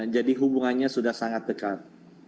jadi hubungannya sudah sangat dekat